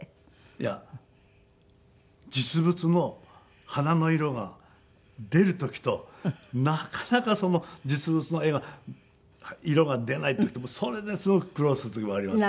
いや実物の花の色が出る時となかなか実物の色が出ない時とそれですごく苦労する時もあります。